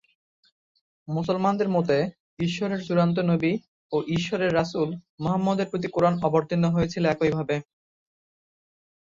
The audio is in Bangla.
মুসলমানদের মতে ঈশ্বরের চূড়ান্ত নবী ও ঈশ্বরের রাসূল মুহাম্মাদের প্রতি কুরআন অবতীর্ণ হয়েছিল একইভাবে।